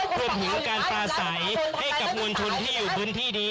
รวมถึงการปลาใสให้กับมวลชนที่อยู่พื้นที่นี้